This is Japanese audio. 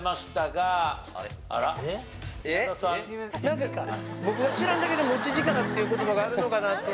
なんか僕が知らんだけで持ち力っていう言葉があるのかなって。